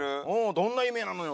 どんな夢なのよ？